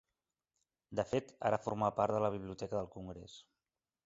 De fet, ara forma part de la Biblioteca del Congrés.